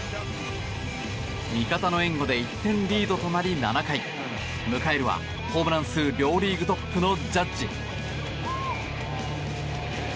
味方の援護で１点リードとなり７回、迎えるはホームラン数両リーグトップのジャッジ。